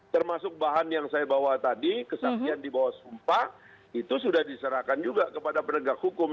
termasuk bahan yang saya bawa tadi kesaksian di bawah sumpah itu sudah diserahkan juga kepada penegak hukum